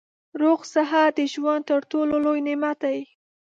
روغ صحت د ژوند تر ټولو لوی نعمت دی